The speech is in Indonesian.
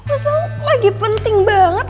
masalah lagi penting banget